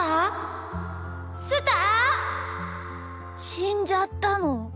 しんじゃったの？